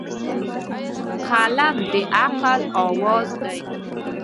قلم د عقل اواز دی.